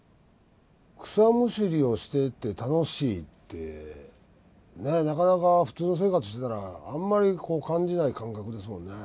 草むしりをしていて楽しいってねなかなか普通の生活してたらあんまりこう感じない感覚ですもんね。